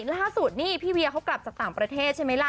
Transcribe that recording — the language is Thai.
ล่าสุดนี่พี่เวียเขากลับจากต่างประเทศใช่ไหมล่ะ